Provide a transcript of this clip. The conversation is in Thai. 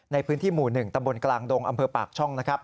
ในพื้นที่หมู่๑ตำรวจกลางดงอำเภอปากช่อง